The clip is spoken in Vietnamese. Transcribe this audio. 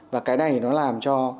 và cái này nó làm cho